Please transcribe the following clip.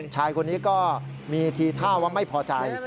ชายคนนี้ก็มีทีท่าว่าไม่พอใจ